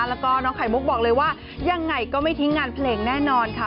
แล้วก็น้องไข่มุกบอกเลยว่ายังไงก็ไม่ทิ้งงานเพลงแน่นอนค่ะ